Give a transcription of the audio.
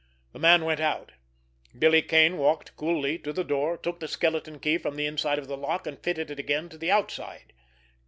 The man went out. Billy Kane walked coolly to the door, took the skeleton key from the inside of the lock, and fitted it again to the outside.